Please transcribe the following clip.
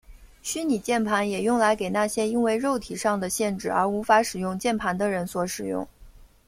虚拟键盘也用来给那些因为肉体上的限制而无法使用键盘的人所使用。